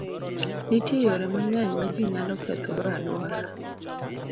Nitie yore mang'eny ma ji nyalo kethogo alwora.